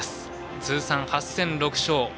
通算８戦６勝。